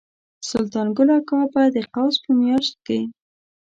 سلطان ګل اکا به د قوس په میاشت کې.